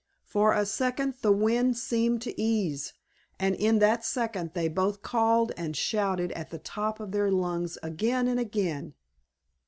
For a second the wind seemed to ease, and in that second they both called and shouted at the top of their lungs again and again.